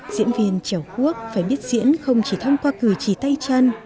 diễn viên trèo quốc phải biết diễn không chỉ thông qua cử chỉ tay chân